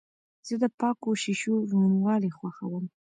زه د پاکو شیشو روڼوالی خوښوم.